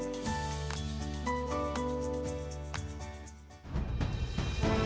saya mendapatkan uang dari rp satu miliar untuk memindahkan pendidikan saya dalamyoyu